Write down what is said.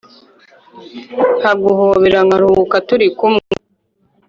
Nkaguhobera nkaruhuka turi kumwe